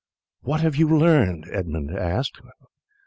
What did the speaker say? "What have you learned?" he asked.